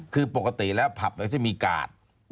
คือปกติแล้วผับก็จะมีกาส